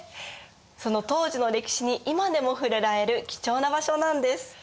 その当時の歴史に今でも触れられる貴重な場所なんです。